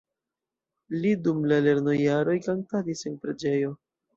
Li dum la lernojaroj kantadis en preĝejo.